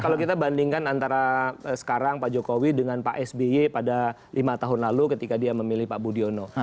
kalau kita bandingkan antara sekarang pak jokowi dengan pak sby pada lima tahun lalu ketika dia memilih pak budiono